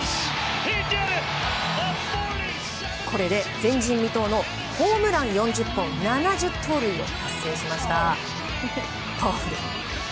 これで前人未到のホームラン４０本７０盗塁を達成しました。